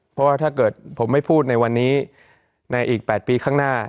เพราะว่าถ้าเกิดผมไม่พูดในวันนี้ในอีก๘ปีข้างหน้า